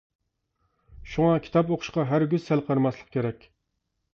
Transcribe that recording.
شۇڭا كىتاب ئوقۇشقا ھەرگىز سەل قارىماسلىق كېرەك.